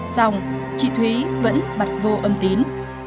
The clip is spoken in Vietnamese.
xong chị thúy vẫn bật vô âm tín